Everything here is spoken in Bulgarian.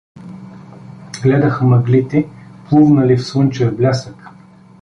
Гледах мъглите, плувнали в слънчев блясък.